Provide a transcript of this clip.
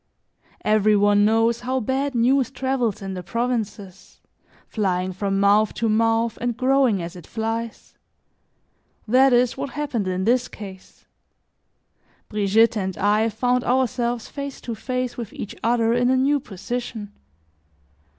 Every one knows how bad news travels in the provinces, flying from mouth to mouth and growing as it flies; that is what happened in this case. Brigitte and I found ourselves face to face with each other in a new position.